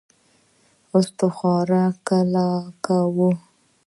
استخاره کله کوو؟